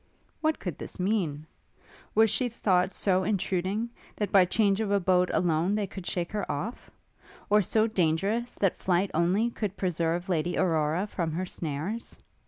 What could this mean? Was she thought so intruding, that by change of abode alone they could shake her off? or so dangerous, that flight, only, could preserve Lady Aurora from her snares?